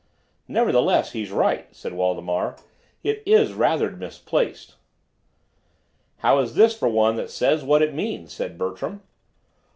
"Nevertheless, he's right," said Waldemar. "It is rather misplaced." "How is this for one that says what it means?" said Bertram.